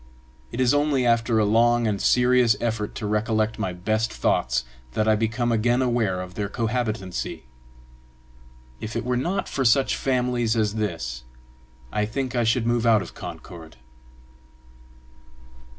It is only after a long and serious effort to recollect my best thoughts that I become again aware of their cohabitancy. If it were not for such families as this, I think I should move out of Concord.